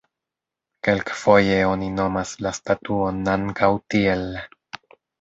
Kelkfoje oni nomas la statuon ankaŭ tiel.